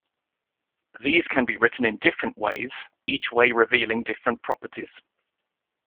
These can be written in different ways, each way revealing different properties.